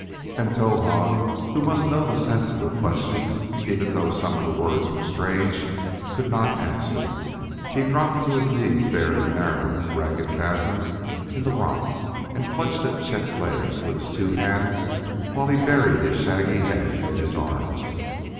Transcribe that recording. And Towahg, who must know the sense of the questions, even though some words were strange, could not answer. He dropped to his knees there in the narrow, ragged chasm in the rock and clutched at Chet's legs with his two hands while he buried his shaggy head in his arms.